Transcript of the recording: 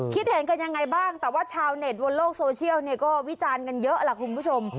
คิดเห็นกันยังไงบ้างแต่ว่าชาวเน็ตบนโลกโซเชียลเนี่ยก็วิจารณ์กันเยอะล่ะคุณผู้ชม